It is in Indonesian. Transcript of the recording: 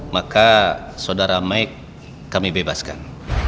maka saudara meik kami bebaskan